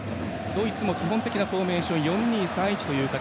ドイツ基本的なフォーメーション４−２−３−１という形。